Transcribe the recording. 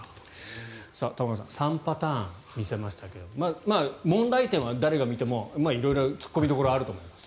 玉川さん３パターン見せましたけど問題点は誰が見ても色々突っ込みどころはあると思います。